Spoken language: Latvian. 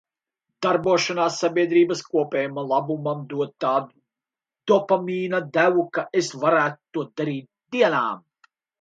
Darbošanās sabiedrības kopējam labumam dod tādu dopamīna devu, ka es varētu to darīt dienām.